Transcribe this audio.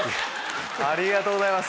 ありがとうございます。